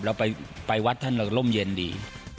เราไปวัดท่านเราก็ร่มเย็นดี